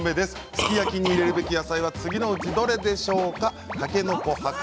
すき焼きに入れるべき野菜は次のうちどれでしょうか？